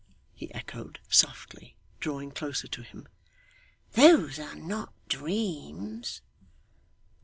he echoed softly, drawing closer to him. 'Those are not dreams.